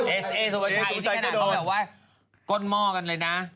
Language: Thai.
เอสุพชัยก็โดน